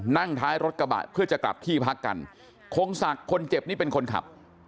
นั่งท้ายรถกระบะเพื่อจะกลับที่พักกันคงศักดิ์คนเจ็บนี่เป็นคนขับ